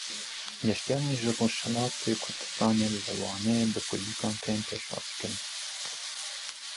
Geştyarên ji Rojhilatê Kurdistanê li Wanê bi kulîlkan tên pêşwazîkirin.